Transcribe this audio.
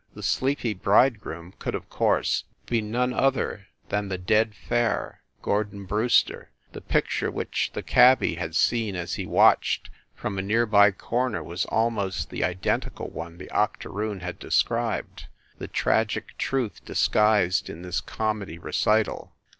The sleepy bridegroom could, of course, be none other than the dead fare, Gordon Brewster the picture which the cabby had seen as he watched from a near by corner was almost the identical one the octoroon had described the tragic truth dis guised in this comedy recital.